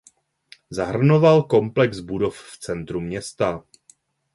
Zahrnoval komplex budov v centru města.